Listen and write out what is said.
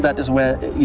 ngày tiếp theo